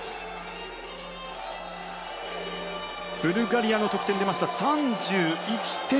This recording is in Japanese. ブルガリアの得点が出ました３１．４００。